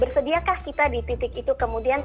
bersediakah kita di titik itu kemudian